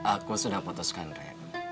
aku sudah putuskan re